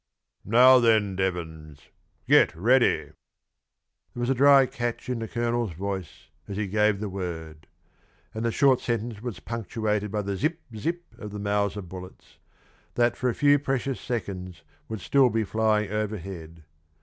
"Now, then, Devons, get ready." There was a dry catch in the colonel's voice as he gave the word and the short sentence was punctuated by the zip zip of the Mauser bullets, that for a few precious seconds would still be flying overhead.